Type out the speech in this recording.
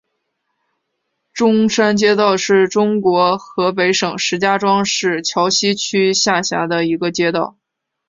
中山街道是中国河北省石家庄市桥西区下辖的一个街道。